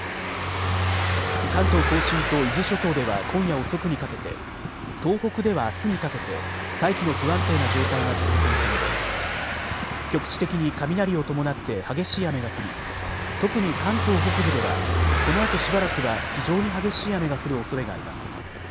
関東甲信と伊豆諸島では今夜遅くにかけて東北ではあすにかけて大気の不安定な状態が続く見込みで局地的に雷を伴って激しい雨が降り特に関東北部ではこのあとしばらくは非常に激しい雨が降るおそれがあります。